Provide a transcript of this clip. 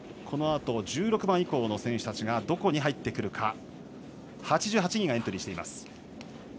このあと１６番以降の選手たちがどこに入ってくるか。